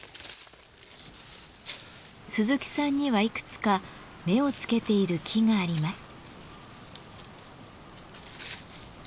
鈴木さんにはいくつか目をつけている木があります。